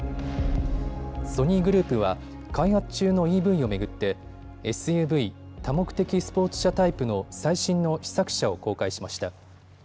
ソニーグループは開発中のＥＶを巡ってＳＵＶ・多目的スポーツ車タイプの最新の試作車を公開しました。